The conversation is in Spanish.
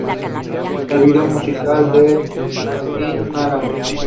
El video musical de "I Did It, Mama!